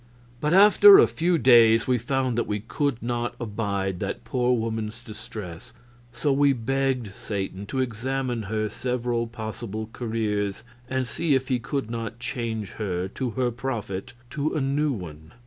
But after a few days we found that we could not abide that poor woman's distress, so we begged Satan to examine her several possible careers, and see if he could not change her, to her profit, to a new one.